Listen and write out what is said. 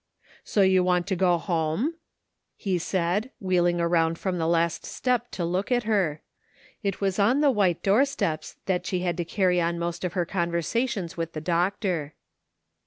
" So you want to go home ?" he said, wheel ing around from the last step to look at her ; it #a8 on the white door steps that she had \i* 166 "SO rOU WANT TO GO HOME?'* carry on most of her conversations with the doctor.